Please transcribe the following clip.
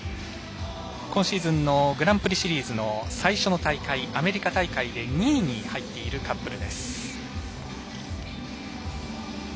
今シーズンのグランプリシリーズの最初の大会、アメリカ大会で２位に入っているカップルです。